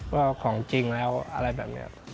ว่าของจริงแล้วอะไรแบบนี้